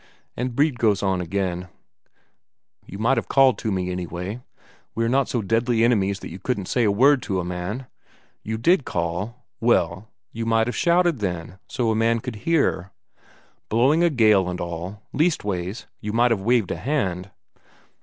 And Brede goes on again: "You might have called to me, anyway; we're not so deadly enemies that you couldn't say a word to a man? You did call? Well, you might have shouted then, so a man could hear. Blowing a gale and all.... Leastways, you might have waved a hand."